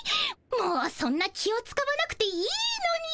もうそんな気をつかわなくていいのに。